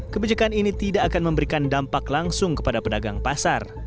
kebijakan ini tidak akan memberikan dampak langsung kepada pedagang pasar